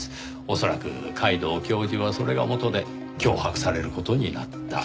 恐らく皆藤教授はそれがもとで脅迫される事になった。